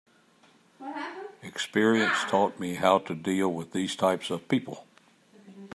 Experience taught me how to deal with these types of people.